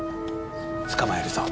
捕まえるぞ。